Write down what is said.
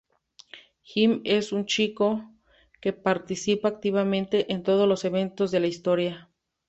Jim es un chico que participa activamente en todos los eventos de la historia.